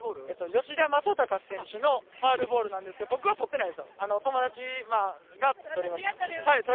吉田正尚選手のファウルボールなんですけど、僕は取ってないんですよ、友達が取りました。